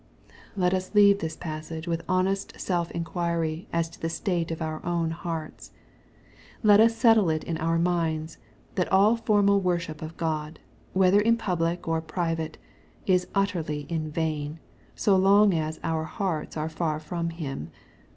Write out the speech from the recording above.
Let us leave the passage with honest self inquiry as to the state of our own hearts. Let us settle it in our minds, that all formal worship of God, whether in public or private, is utterly in vain, so long as our "hearts are faj from Him."